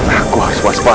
aku harus waspada